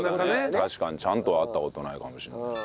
確かにちゃんとは会った事はないかもしれない。